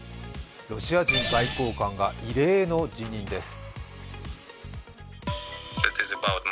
ロシア人外交官が異例の辞任です。